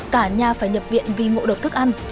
cả nhà phải nhập viện vì ngộ độc thức ăn